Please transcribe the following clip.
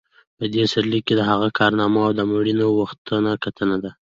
په دې سرلیک کې د هغه کارنامو او د مړینې وخت ته کتنه کوو.